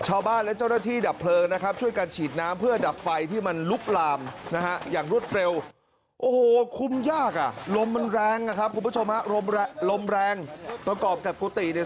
โอ้โหคุมงานยากลมมันแรงนะครับคุณผู้ชมฮะลมแรงประกอบกับกุฏิเนี่ย